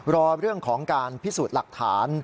รอเรื่องของการพิสูจน์หลักฐาน